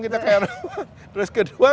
kita kayak terus kedua